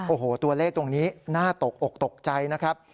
โอ้โหตัวเลขตรงนี้น่าตกอกตกใจนะครับ